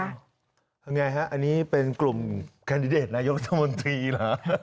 อันนี้เป็นกลุ่มแคนดิเดตนายกสมนตรีหรอ